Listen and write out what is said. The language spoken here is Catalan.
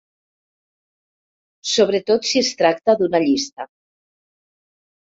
Sobretot si es tracta d'una llista.